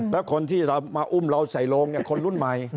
แล้วคนที่มาอุ้มเราใส่โรงคนรุ่นใหม่